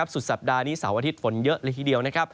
สุดสัปดาห์นี้เสาร์อาทิตย์ฝนเยอะละครีเดียว